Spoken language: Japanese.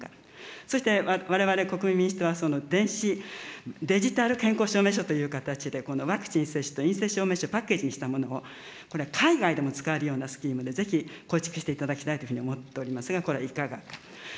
そしてわれわれ国民民主党は電子、デジタル健康証明書ということで、ワクチン接種と陰性証明書をパッケージにしたものを、これ、海外でも使えるようなスキームをぜひ構築していただきたいというふうに思っておりますが、これはいかがか。